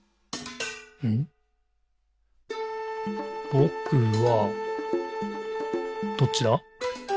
「ぼくは、」どっちだ？